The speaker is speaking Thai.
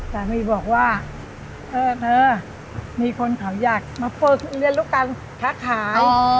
แม่มีบอกว่าเธอมีคนเขาอยากมาฟื้นเรียนลูกกันค้า